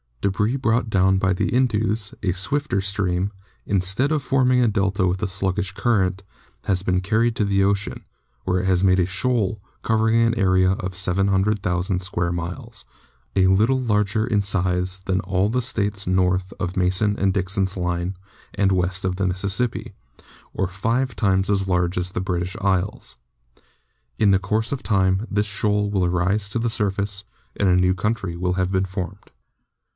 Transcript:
Debris brought down by the Indus, a swifter stream, instead of forming a delta with a sluggish current, has been carried to the ocean, where it has made a shoal covering an area of 700,000 square miles, a little larger in size than all the States north of Mason and Dixon's line and west of the Mississippi, or five times as large as the British Isles. In the course of time this shoal will rise to the surface, and a new country will have been formed.